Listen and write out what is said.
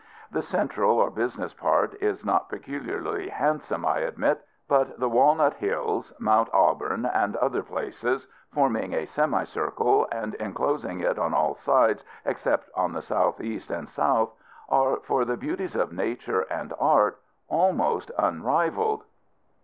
The central or business part is not peculiarly handsome, I admit; but the Walnut Hills, Mount Auburn, and other places, forming a semicircle, and inclosing it on all sides except on the south east and south, are, for the beauties of nature and art, almost unrivaled.